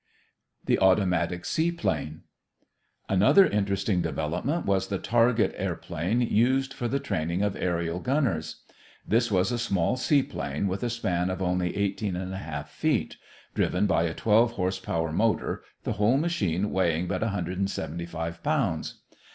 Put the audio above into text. THE AUTOMATIC SEAPLANE Another interesting development was the target airplane used for the training of aërial gunners. This was a small seaplane with a span of only 18 1/2 feet, driven by a 12 horse power motor, the whole machine weighing but 175 pounds.